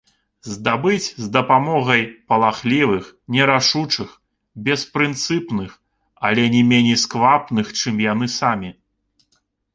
Здабыць з дапамогай палахлівых, нерашучых, беспрынцыпных, але не меней сквапных, чым яны самі.